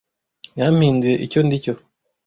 Yampinduye icyo ndi cyo.